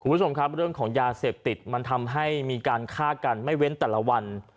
คุณผู้ชมครับเรื่องของยาเสพติดมันทำให้มีการฆ่ากันไม่เว้นแต่ละวัน